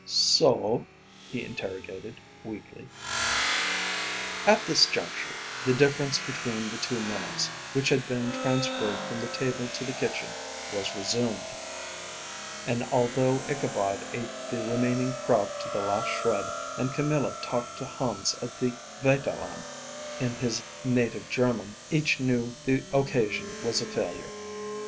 "So?" he interrogated, weakly. At this juncture the difference between the two Minnas, which had been transferred from the table to the kitchen, was resumed; and although Ichabod ate the remaining kraut to the last shred, and Camilla talked to Hans of the Vaterland in his native German, each knew the occasion was a failure.